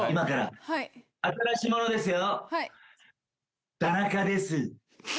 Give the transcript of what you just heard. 新しいものですよ。